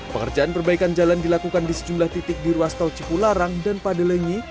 pekerjaan perbaikan jalan dilakukan di sejumlah titik di ruas tol cipularang dan pada lengi